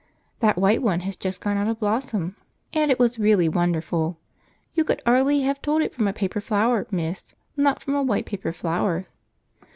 That white one has just gone out of blossom, and it was really wonderful. You could 'ardly have told it from a paper flower, miss, not from a white paper flower.